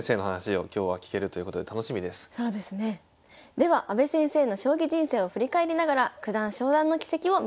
では阿部先生の将棋人生を振り返りながら九段昇段の軌跡を見ていきましょう。